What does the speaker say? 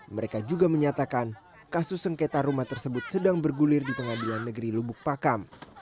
mereka juga menyatakan kasus sengketa rumah tersebut sedang bergulir di pengadilan negeri lubuk pakam